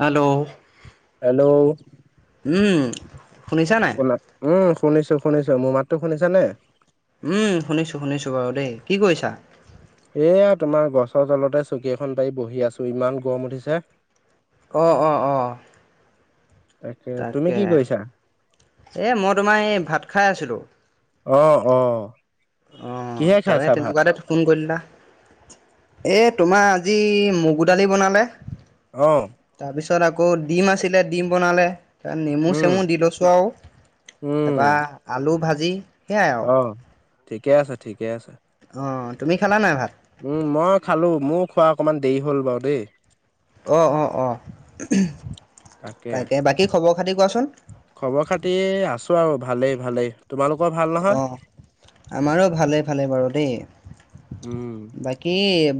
Hello, hello, উম। শুনিছা নাই? শুনাত উম শুনিছো শুনিছো। মোৰ মাতো শুনিছ নে? উম শুনিছো শুনিছো বাৰু দেই। কি কৰিছা? এইয়া তোমাৰ গছৰ তলতে চকী এখন পাৰি বহি আছো। ইমান গৰম উঠিছে। অঁ অঁ অঁ। তাকে। তুমি কি কৰিছা? এই মই তোমাৰ এই ভাত খাই আছিলোঁ। অ অ অ কিহে তাৰ খাইছা ভাত তেনেকুৱাতে ফোন কৰিলা। এ তোমাৰ আজি মগু দালি বনালে। অহ। তাৰপিছত আকৌ ডিম আছিলে, ডিম বনালে। তাৰ নেমু উম চেমু দি লৈছোঁ আৰু উম তাৰপৰা আলু ভাজি, সেয়াই আৰু। অ ঠিকে আছে ঠিকে আছে। অ তুমি খালা নাই ভাত? উম মই খালো। মোৰ খোৱা অকণমান দেৰি হ'ল বাৰু দেই। অঁ অঁ অঁ তাকে। বাকী খবৰ খাতি কোৱাচোন। খবৰ খাতি আছো আৰু ভালেই ভালেই। তোমালোকৰ ভাল নহয় অঁ আমাৰো ভালে ভালে বাৰু দেই। উম বাকী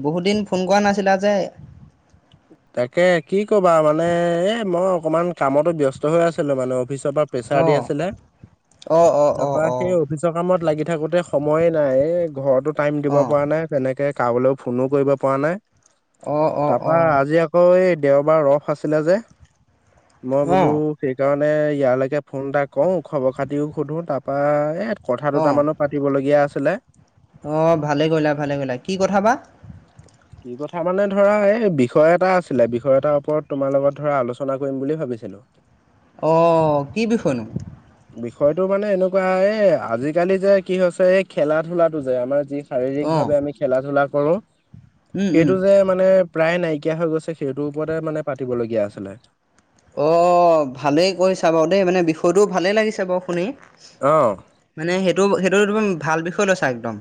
বহুত দিন ফোন কৰা নাছিলা যে, তাকে কি কবা মানে এ মই অকমান কামতো ব্যস্ত হৈ আছিলো মানে। অফিচৰ পৰা প্ৰেছাৰ দি অঁ আছিলে। অঁ অঁ তাৰ অঁ পৰা সেই অফিচৰ কামত লাগি- থাকোতে সময়ে নাই, এই ঘৰতো টাইম দিব অঁ অঁ পৰা নাই, তেনেকে কাৰোবলৈও ফোনো কৰিব পৰা নাই। অ অ অ অ। আজি আকৌ এই দেওবাৰ ৰস আছিলে যে, মই অঁ বোলো সেইকাৰণে মানে ইয়ালৈকে ফোন এটা কৰো, খবৰ খাতিও সোধোঁ, তাৰপৰা কথা দুটামানো পাতিবলগীয়া আছিলে‌। আহ ভালে কৰিলা ভালে কৰিলা। কি কথা বা? কি কথা মানে ধৰা এই, বিষয় এটা আছিলে, বিষয় এটাৰ ওপৰত তোমাৰ লগত ধৰা আলোচনা কৰিম বুলি ভাবিছিলো। অঁ কি বিষয়নো? বিষয়টো মানে এনেকুৱা এ আজিকালি যে কি হৈছে এই খেলা ধূলাটো যে আমাৰ যি শাৰীৰিক অঁ ভাৱে আমি খেলা ধূলা কৰো উম উম সেইটো যে মানে প্ৰায় নাইকিয়া হৈ গৈছে সেইটোৰ ওপৰতে মানে পাতিবলগীয়া আছিলে। অ ভালেই কৈছা বাৰু দেই মানে বিষয়টোও ভালেই লাগিছে বাৰু শুনি অ মানে সেইটো সেইটো এক ভাল বিষয় লৈছা একদম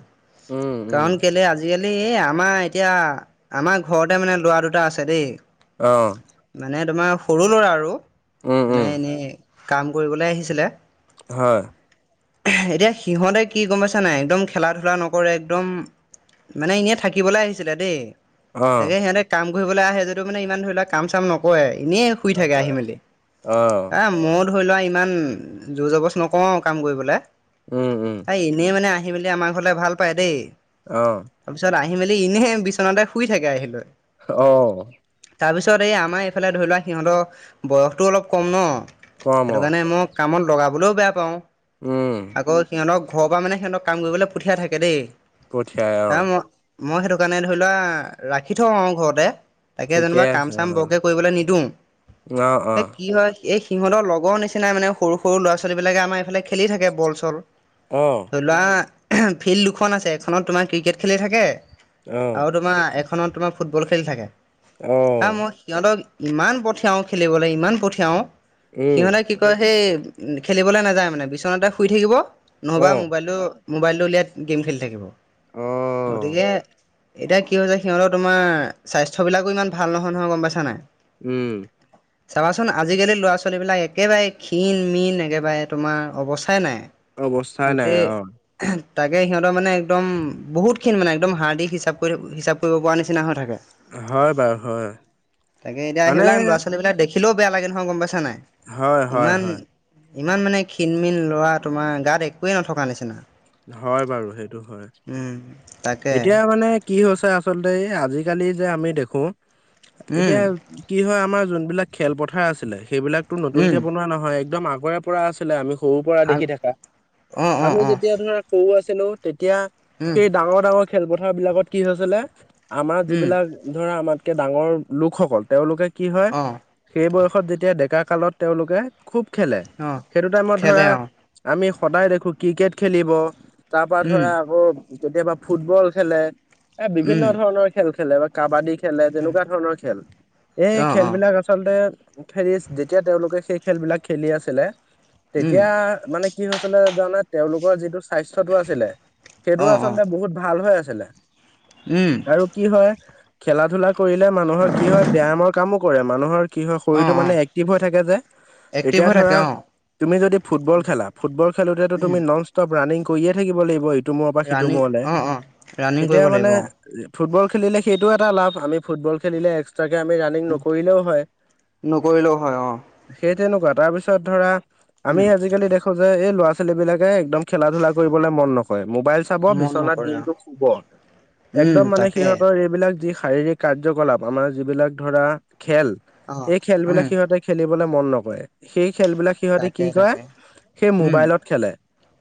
উম উম কাৰণ কেলে আজিকালি এয়া আমাৰ এতিয়া আমাৰ ঘৰতে মানে লৰা দুটা আছে দেই অহ মানে তোমাৰ সৰু ল'ৰা আৰু মানে উম এনেই কাম কৰিবলৈ আহিছিলে। হয় এতিয়া সিহঁতে কি গম পাইছা নাই একদম খেলা ধূলা নকৰে একদম মানে এনেই থাকিবলৈ আহিছিলে দেই। অ তাকে সিহঁতে কাম কৰিবলৈ আহে যদিটো মানে ইমান ধৰিলোৱা কাম চাম নকৰে। এনেই শুই থাকে আহি নকয় মেলি অ এ মই ধৰি লোৱা ইমান জোৰ জবছ নকৰো আও কাম কৰিবলে। উম উম এনেই মানে আহি মেলি আমাৰ ঘৰলে ভাল পায় দেই। অহ। তাৰপিছত আহি মেলি ইনেই বিচনাতে শুই থাকে আহি লৈ। অহ। তাৰপিছত এই আমাৰ এইফালে ধৰি লোৱা সিহঁতৰ বয়সটো অলপ কম ন কম সেইটো অ কাৰণে মোক কামত লগাবলৈও বেয়া পাওঁ উম আকৌ সিহঁতক ঘৰৰ পৰা মানে সিহঁতক কাম কৰিবলৈ পঠিয়াই থেকে দেই পঠিয়াই হা অ মই মই সেইটো কাৰণে ধৰি লোৱা ৰাখি থওঁ অ ঘৰতে তাকে ঠিকে যেনোবা আছে কাম চাম বৰকে কৰিবলৈ নিদিওঁ অ অ এই কি হয় এই সিহঁতৰ লগৰ নিচিনা মানে সৰু সৰু ল'ৰা ছোৱালীবিলাকে আমাৰ এইফালে খেলি থাকে বল চল অ ধৰি লোৱা। ফিল্ড দুখন আছে এখনত তোমাৰ ক্ৰিকেট খেলি থাকে অ আৰু তোমাৰ এখন ত তোমাৰ ফুটবল খেলি থাকে অ অ কাৰণ মই সিহঁতক ইমান পঠিয়াওঁ খেলিবলৈ ইমান পঠিয়াওঁ উম সিহঁতে কি কয় সেই খেলিবলৈ নাযায় মানে বিচনাতে শুই থাকিব, অ নহ'বা মোবাইলটো মোবাইলটো উলিয়াই গেম খেলি থাকিব অ গতিকে এতিয়া কি হৈছে সিহঁতৰ তোমাৰ স্বাস্থ্য বিলাকো ইমান ভাল নহয় নহয় গম পাইছা নাই? উম চাবাচোন আজিকালি ল'ৰা ছোৱালীবিলাক একেবাৰে ক্ষীণ মীন একেবাৰে তোমাৰ অৱস্থাই নাই। অৱস্থা নাই গোটেই অ তাকে সিহঁতৰ মানে একদম বহুতখিন মানে একদম হাৰ্ডিক হিচাপ কৰি হিচাপ কৰিব পৰা নিচিনা হৈ থাকে। হয় বাৰু হয়। তাকে এতিয়া মানে সেইবিলাক ল'ৰা ছোৱালীবিক দেখিলেও বেয়া লাগে নহয় গম পাই নাই। হয় হয় ইমান হয় ইমান মানে ক্ষিণমিন ল'ৰা তোমাৰ গাত একোৱে নথকা নিচিনা। হয় বাৰু সেইটো হয় উম তাকে এতিয়া মানে কি হৈছে আচলতে আজিকালি যে আমি দেখো উম এতিয়া কি হয় আমাৰ যোন বিলাক খেলপথাৰ আছিলে সেই বিলাকতো উম নতুনকে বনোৱা নহয় একদম আগৰে পৰা আছিলে আমি সৰু পৰা আ দেখি থাকা অ অ আমি অ যদি সৰু আছিলো তেতিয়া উম সেই ডাঙৰ ডাঙৰ খেলপথাৰ বিলাকত কি হৈছিলে। আমাৰ উম যিবিলাক ধৰা আমাতকে ডাঙৰ লোকসকল তেওঁলোকে কি হয় অ', সেই বয়স সত যেতিয়া ডেকা কালত তেওঁলোকে খুব খেলে অ', সেইটো টাইমত খেলে ধৰা অ', আমি সদায় দেখো ক্ৰিকেট খেলিব, তাৰ পৰা উম, ধৰা আকৌ কেতিয়াবা ফুটবল খেলে এ বিভিন্ন উম, ধৰণৰ খেল খেলে বা কাবাডী খেলে উম, তেনেকুৱা ধৰণৰ খেল এই অ', অ', খেলবিলাক আচলতে যেতিয়া তেওঁলোকে সেই খেল বিলাক খেলি আছিলে উম, তেতিয়া মানে কি হৈছিলে জানে তেওঁলোকৰ যিটো স্বাস্থ্যটো আছিলে সেইটো অ', অ', আচলতে বহুত ভাল হৈ আছিল। উম, আৰু কি হয় খেলা ধূলা কৰিলে মানুহৰ কি হয় ব্যায়ামৰ কামো মানুহৰ কি হয় শৰীৰটো অ', মানে অ', এক্টিভ হৈ থাকে যে এক্টিভ এতিয়া হৈ থাকে ধৰা অ', তুমি যদি ফুটবল খেলা ফুটবল খেলোতেতো উম, তুমি নন ষ্টপ ৰানিং কৰিয়ে থাকিব লাগিব। সিটো মূৰৰ পৰা সিটো ৰানিং মূৰলে অ', অ', ৰানিং তেতিয়া কৰিব মানে লাগিব অ', ফুটবল খেলিলে সেইটোও এটা লাভ আমি ফুট বল খেলিলে তাকে আমি ৰাণিং উম, নকৰিলেও হয়। নকৰিলেও হয় অ', সেত তেনেকুৱা তাৰ পিছত ধৰা আমি উম, আজিকালি দেখো যে এই ল'ৰা ছোৱালী বিলাকে একদম খেলা ধূলা কৰিবলৈ মন ন মোবাইল চাব মন বিচনাত নকৰে অ', দিনতটো শুব উম, একদম মানে তাকে সিহঁতৰ এইবিলাক যি শাৰীক কাৰ্যকলাপ আমাৰ যিবিলাক ধৰা খেল অ', এই খেলবিলাক উম, সিহঁতে খেলিব। খেলিবলে মন নকৰে সেই খেলবিলাক সিহঁতি কি তাকে কৰে তাকে সেই উম, মোবাইলত খেলে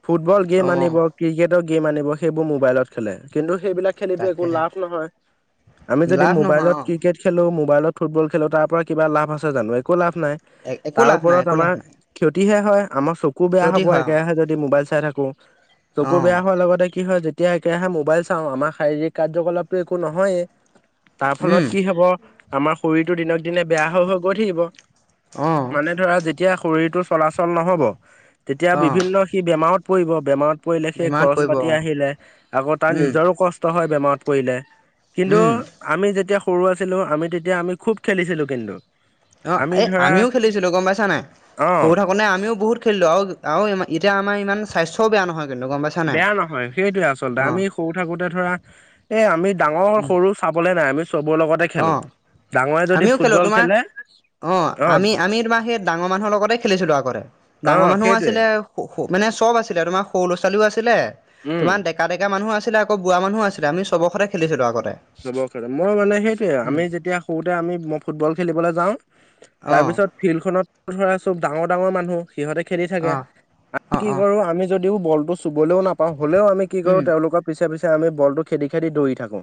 ফুটবল গেম আনিব অ', ক্ৰিকেটৰ গেম আনিব সেইবোৰ মোবাইলত খেলে কিন্তু সেইবিলাক খেলিটো একো তাকে লাভ নহয় আমি যদি লাভ নহয় মোবাইলত অ', ক্ৰিকেট খেলো মোবাইলত ফুটবল খেলো তাৰ পৰা কিবা আছে জানো একো লাভ নাই একো তাৰ লাভ নাই ওপৰত একো লাভ আমাৰ নাই ক্ষতিহে হয় আমাৰ চকু বেয়া ক্ষতি হ'ব হয় অ', একেৰাহে যদি মোবাইল চাই থাকো চকু অ', বেয়া হোৱাৰ লগতে কি হয় যেতিয়া একেমোবাইল চাওঁ আমাৰ শাৰীৰিক কাৰ্যকলাপটো একো নহয়েই। তাৰ ফলত উম, কি হব আমাৰ শৰীৰটো দিনক দিনে বেয়া হৈ হৈ গৈ থাকিব। অ', মানে ধৰা যেতিয়া শৰীৰটো চলাচল নহব তেতিয়া অ', বিভিন্ন সি বেমাৰত পৰিব বেমাৰত পৰিলে সেই বেমাৰত খৰচ পৰিব পাতি অ', আহিলে আকৌ তাৰ উম, নিজৰো কষ্ট হয়। বেমাৰত পৰিলে, কিন্তু উম, আমি যেতিয়া সৰু আছিলোঁ আমি তেতিয়া আমি খুব খেলিছিলোঁ কিন্তু অ আমি এই ধৰা আমিও খেলিছিলো গম পাইছা নাই অ সৰু থাকো নে আমিও বহুত খেলিলো আৰু ইমা- এতিয়া আমাৰ ইমান স্বাস্থ্যও বেয়া নহয়। কিন্তু গম পাইছা নাই। বেয়া নহয় সেইটোয়ে আচলতে অ' আমি সৰু থাকোঁতে ধৰা এ আমি ডাঙৰ উম সৰু চাবলে নাই আমি চবৰে লগতে খেলো অ' ডাঙৰে যদি আমিও খেলো ফুটবল তোমাৰ খেলে অ আমি আমি তোমাৰ সেই ডাঙৰ মানুহৰ লগতে খেলিছিলো আগতে অ ডাঙৰ মানুহো সেইটোৱে আছিলে মানে চব আছিলে, তোমাৰ সৰু ল'ৰা ছোৱালীও আছিলে, উম তোমাৰ ডেকা ডেকা মানুহো আছিলে আক- আকৌ বোৱা মানুহ আছিল আমি সকলোৱে সতে খেলিছিলো আগত চব খেলে মই মানে সেইটোৱে আও আমি যেতিয়া সৰুতে আমি ফুটবল খেলিবলৈ যাওঁ তাৰ অ' পিছত ফিল্ড খত ধৰা চব ডাঙৰ ডাঙৰ ডাঙৰ মানুহ সিহঁতে খেলি থাকে অ' আমি অ' কি অ' কৰো আমি যদিও বল টো চুবলৈও নাপাওঁ হ'লেও আমি কি কৰো উম তেওঁলোকৰ পিছে পিছে আমি বল টো খেদি খেদি দৌৰি থাকো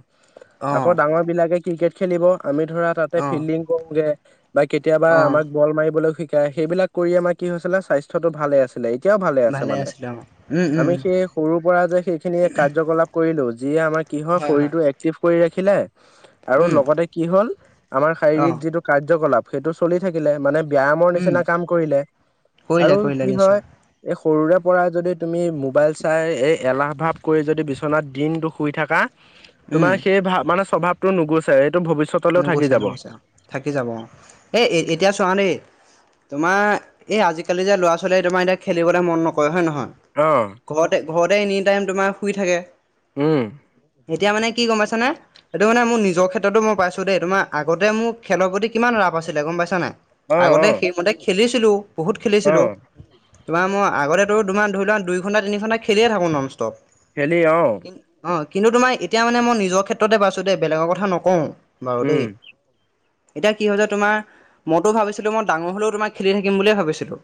আকৌ অ' ডাঙৰ বিলাকে ক্ৰিকেট খেলিব আমি ধৰা তাতে অ' ফিল্ডিং কৰোগে বা কেতিয়াবা অ' আমাক বল মাৰিবলৈ শিক- কাই সেইবিলাক কৰি আমাৰ কি হৈছিলে স্বাস্থ্যটো ভালে আছিল। এতিয়াও ভালে আছে মানে আছিলে অ' উম উম আমি সেই সৰু পৰা যে সেইখিনি কাৰ্যকলাপ কৰিলো যিয়ে আমাৰ কি হয় শৰীৰটো এক্টিভ কৰি ৰাখিলে আৰু উম লগতে কি হ'ল আমাৰ শাৰীৰিক অ' যিটো কাৰ্যকলাপ সেইটো চলি থাকিলে মানে ব্যয়ামৰ উম, নিচিনা কাম কৰিলে কৰিলে আৰু কৰিলে কি হয় নিশ্চয় এই সৰুৰে পৰাই যদি তুমি মোবাইল চাই এই এলাহ ভাৱ কৰি যদি বিচনাত দিনটো শুই থাকা উম, তোমাৰ সেই ভাৱ মানে স্বভাৱটো নোগোছে এই নোগোছে নোগোছে থাকি যাব অ এ এতিয়া চোৱা দেই তোমাৰ এই আজিকালি যে ল'ৰা ছোৱালীয়ে তোমাৰ এতিয়া খেলিবলে মন নকৰে হয় নে নহয় হয় অ ঘৰতে ঘৰতে এনি টাইম তোমাৰ শুই থাকে। উম এতিয়া মানে কি গম পাইছা নে এইটো মানে মোৰ নিজৰ ক্ষেত্ৰতো মই পাইছো দেই তোমাৰ আগতে মোৰ খেলৰ প্ৰতি কিমান ৰাপ আছিলে গম পাইছা নাই অ আগতে অ সেইমতে খেলিছিলোঁ। বহুত অ খেলিছিলোঁ তোমাৰ মই আগতে তে তোমাৰ ধৰি লোৱাক দুই ঘণ্টা তিনি ঘণ্টা খেলিয়ে থাকোঁ নন ষ্টপ অ খেলি অ কিন্তু তোমাৰ এতিয়া মানে মই নিজৰ ক্ষেত্ৰতে পাইছো দে বেলেগৰ কথা নকওঁ বাৰু দেই উম এতিয়া কি হয় যে তোমাৰ মইতো ভাবিছিলো মই ডাঙৰ হলেও তোমাক খেলি থাকিম বুলিয়ে ভাবিছিলো।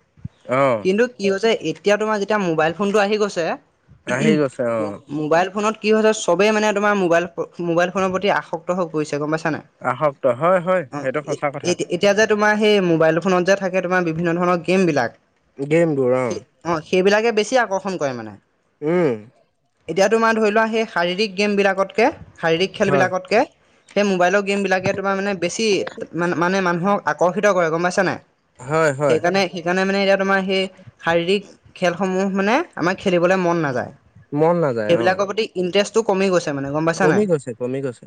অ কিন্তু কি হৈছে এতিয়া তোমাৰ যেতিয়া মোবাইল ফোনটো আহি গৈছে। আহি গৈছে অ মোবাইল ফোনত কি হৈছে চবেই মানে তোমাৰ মোবাইল মোবাইল ফোনৰ প্ৰতি আসক্ত হৈ গৈছে গম পাইছা। আসক্ত হয় হয় অ সেইটো সঁচা কথা এতিয়া যে তোমাৰ সেই মোবাইল ফোন যে থাকে তোমাৰ বিভিন্ন ধৰণৰ গেমবিলাক গেমবোৰ অহ সেই অ সেইবিলাকে বেছি আকৰ্ষণ কৰে মানে। উম এতিয়াতো মই ধৰি লোৱা সেই শাৰীৰিক গেম বিলাকতকে শাৰীৰিক হয় খেলবিলাকতকে সেই মোবাইলত গেমবিলাকে তোমাৰ মানে বেছি মানে মানুহক আকৰ্ষিত কৰে গম পাইছে নে নাই? হয় হয় সেইকাৰণে সেইকাৰণে মানে এতিয়া তোমাৰ সেই শাৰীৰিক খেলসমূহ মানে আমাৰ খেলিবলে মন নাযায় মন নাযায় অ সেইবিলাকৰ প্ৰতি ইন্টাৰেষ্টও কমি গৈছ- কমি গৈছে কমি গৈছে।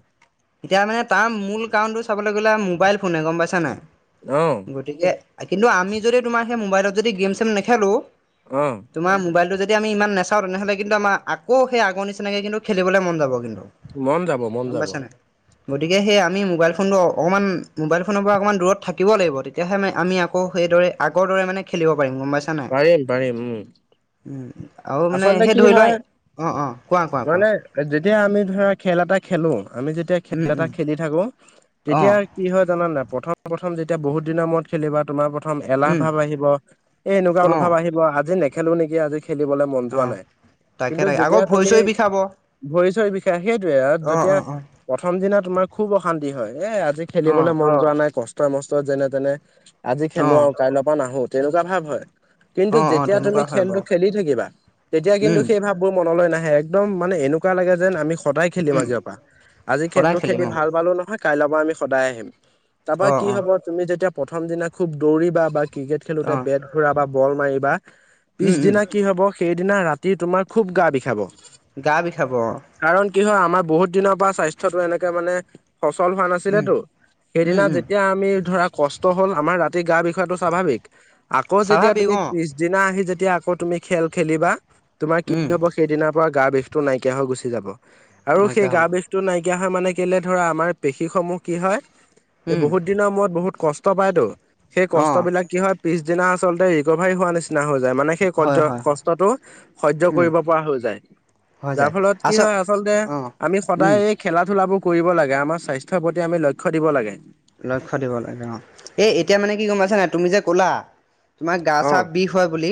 এতিয়া মানে তাৰ মূল কাৰণটো চাবলৈ গ'লে মোবাইল ফোনে গম পাইছা নাই। অ', গতিকে কিন্তু আমি যদি তোমাৰ সেই মোবাইলত যদি গেম চেম নেখেলোঁ অ', তোমাৰ মোবাইলটো যদি য আমি ইমান নাচাওঁ তেনেহ'লে কিন্তু আমাৰ আকৌ সেই আগৰ নিচিনাকৈ কিন্তু খেলিবলৈ মন যাব কিন্তু মন যাব মন গম যাব পাইছা নাই। গতিকে সেই আমি মোবাইল ফোনটো অকণমান মোবাইল ফোনৰ পৰা অকণমান দূৰত থাকিব লাগিব তেতিয়াহে আমি আকৌ সেই সেই আগৰ দৰে মানে খেলিব পাৰিম গম পাইছা নাই পাৰিম পাৰিম উম, উ আৰু মানে আচলতে সেই কি ধৰি লোৱা হয় অ অ কোৱা কোৱা কোৱা মানে যেতিয়া আমি ধৰা খেল এটা খেলো আমি যেতিয়া খেল উম এটা উম খেলি থাকো অ তেতিয়া কি হয় জানা নাই প্ৰথম প্ৰথম যেতিয়া বহুত দিনৰ মূৰত খেলিবা তোমাৰ প্ৰথম এলাহ উম ভাব আহিব এ এনেকুৱা অ এলাহ ভাৱ আহিব আজি নেখেলো নেকি আজি খেলি দ মন অ যোৱা নাই তাকে কিন্তু তাকে আকৌ যেতিয়া ভৰি তুমি চৰি বিষাব অ ভৰি চৰি সেইটোয়ে অ যেতিয়া অ প্ৰথম দিনা তোমাৰ খুব অশান্তি হয় এ আজি অ খেলিবলে মন যোৱা নাই কষ্ট মষ্টত যেনে তেনে আজি অ খেলো আৰু কাইলৈৰ পৰা নাহো তেনেকুৱা ভাৱ হয় [unintelligible] কিন্তু অ অ যেতিয়া তুমি তেনেকুৱা হয় খেলটো বাৰু খেলি থাকিবা তেতিয়া কিন্তু উম সেই ভাববোৰ মনলৈ নাহে একদম মানে এনেকুৱা লাগে যেন আমি সদায় খেলিম উম আজিৰ পৰা আজি সদায় খেলো খেলি খেলিম অ ভাল পালো নহয় কাইলৈৰ পৰা আমি সদায় আহিম। তাৰপৰা অ কি অ হব তুমি যেতিয়া প্ৰথম দিনা খুব দৌৰিবা বা ক্ৰিকেট খেলোতে অ বেট ঘূৰাবা বল মাৰিবা উম উম পিছদিনা কি হব সেইদিনা ৰাতি তোমাৰ খুব গা বিষাব গা বিষাব অ কাৰণ কি হয় আমাৰ বহুত দিনৰ পৰা স্বাস্থ্যতো এনেকে মানে ফচল হোৱা উম নাছিলেতো উম সেইদিনা উম যেতিয়া আমি ধৰা কষ্ট হ'ল আমাৰ ৰাতি গা বিষওৱাটো স্বাভাৱিক আকৌ যেতিয়া স্বাভাৱিক তুমি অ ত্ৰিছ দিনা আহি যেতিয়া আকৌ তুমি খেল খেলিবা তোমাৰ কি উম হব সেইদিনাৰ পৰা গা বিষতটো নাইকিয়া হৈ গুচি যাব। আৰু সেই নাইকিয়া গা হ'ব বিষটো নাইকিয়া হয় মানে কেলে ধৰা আমাৰ পেশী সমূহ কি হয়। এই উম বহুত দিনৰ মূৰত বহুত কষ্ট পায়তো সেই অ কষ্ট বিলাক কি হয়। পিছদিনা আচলতে ৰিকভাৰী হোৱা নিচিনা হৈ যায় মানে। সহ্য হয় হয় কষ্টতটো সহ্য হয় উম কৰিব পৰা হৈ যায়। হৈ যাৰ যায় ফলত কি আচ হয় আচলতে অ আমি উম সদায় এই খেলা ধূলাবোৰ। কৰিব লাগে আমাৰ স্বাস্থ্যৰ প্ৰতি আমি লক্ষ্য দিব লাগে। লক্ষ্য দিব লাগে অ এই এতিয়া মানে কি গম পাইছানাই তুমি যে ক'লা তোমাৰ গা চা অ', বিষ হয় বুলি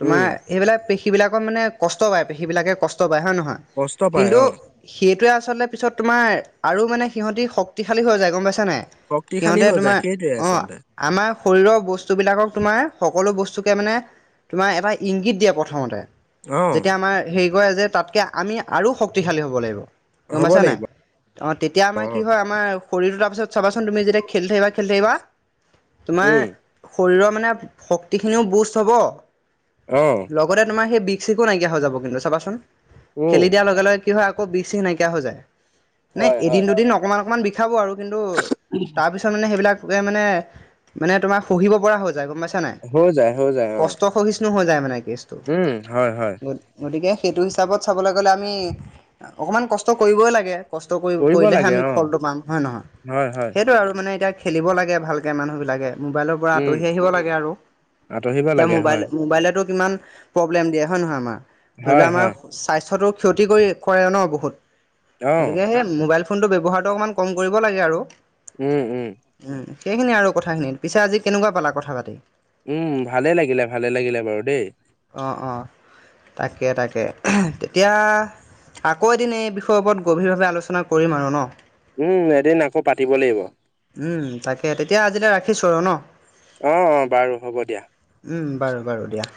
তোমাৰ উম, সেইবিলাক সেইবিলাকৰ মানে কষ্ট পায় সেইবিলাকে কষ্ট পায় হয় নহয় কষ্ট পায় কিন্তু অ', সেইটোৱে। পিছতলে পিছত তোমাৰ আৰু মানে সিহঁতি শক্তিশালী হৈ যায় গম পাইছা নাই শক্তিশালী সিহঁতে হৈ যায় তোমাৰ সেইটোৱে অ', আচলতে আমাৰ শৰীৰৰ বস্তুবিলাকক তোমাৰ সকলো বস্তুকে মানে তোমাৰ এটা ইংগিত দিয়ে প্ৰথমতে অ', যেতিয়া আমাৰ হেৰি কৰে যে তাতকে আমি আৰু শক্তিশালী হ'ব লাগিব গম হ'ব পাইছা নাই লাগিব অহ তেতিয়া আমাৰ কি অ', হয় আমাৰ শৰীৰটো তাৰপিছত চাবাচোন তুমি যেতিয়া খেলি থাকিবা -খেলি থাকিবা তোমাৰ উম, শৰীৰত মানে শক্তি খিনিও বোষ্ট হ'ব অ', লগতে তোমাৰ হেই বিষ চিকো নাইকিয়া হৈ যাব কিন্তু চাবাচোন উম, খেলি দিয়াৰ লগে -লগে কি হয় আকৌ বিষ চিখ নাইকিয়া হৈ যায়। নাই হয়, এদিন হয়। -দুদিন, অকমান -অকমান বিষাব আৰু কিন্তু তাৰ পিছত মানে সেইবিলাকে মানে- মানে মানে তোমাৰ শুহিব পৰা হৈ যায় গম পাইছা নাই হৈ যায়, হৈ যায় অ', কষ্ট সহিষ্ণু হৈ যায় মানে কেছটো উম, হয়, হয়, গ গতিকে সেইটো হিচাপত চাবলৈ গ'লে আমি অকণমান কষ্ট কৰিবই লাগে কষ্ট কৰি কৰিব কৰিলেহে লাগে আমি অ', ফলটো পাম হয়ে নহয় হয়, হয়, সেইটোৱে আৰু মানে এতিয়া খেলিব লাগে ভালকৈ মানুহবিলাকে মোবাইলৰ পৰা উম। আঁতৰি আহিব লাগে আৰু আঁতৰিব এতিয়া লাগে মোবাইল হয়, মোবাইলেতো ইমান প্ৰব্লেম দিয়ে হয়নে নহয় বাৰু ধৰি ল হয়, হয়, আমাৰ স্বাস্থ্যটো [unintelligible] ক্ষতি কৰি কৰে ন বহুত অ', গতিকে মোবাইল ফোন [unintelligible] ফোনটো ব্যৱহাৰটো অকণমান কম কৰিব লাগে আৰু উম -উম উম সেইখিনি আৰু কথাখিনিত পিছে আজি কেনেকুৱা পালা কথা পাতি? উম, ভালে লাগিলে -ভালে লাগিলে বাৰু দেই। অহ -অহ, তাকে- তাকে তেতিয়া আকৌ এদিন এই বিষয়ৰ ওপৰত গভীৰভাৱে আলোচনা কৰিম আৰু ন',? উম, এদিন আকৌ পাতিব লাগিব। উম, তাকে তেতিয়া আজিলৈ ৰাখিছো আৰু ন' অ', বাৰু হ'ব দিয়া। [inaudible] উম, বাৰু -বাৰু দিয়া।